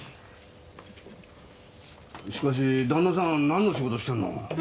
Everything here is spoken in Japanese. しかし旦那さんなんの仕事してんの？